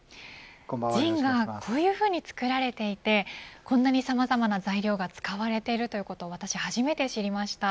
ジンがこういうふうに作られていてこんなにさまざまな材料が使われているということを私は初めて知りました。